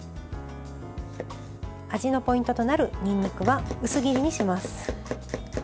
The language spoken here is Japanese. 味のポイントとなるにんにくは薄切りにします。